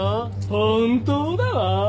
本当だわー。